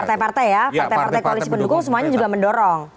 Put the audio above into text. partai partai ya partai partai koalisi pendukung semuanya juga mendorong